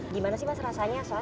gimana sih mas rasanya soal